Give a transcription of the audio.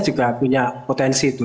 ya punya potensi itu